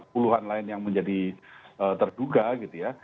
puluhan lain yang menjadi terduga gitu ya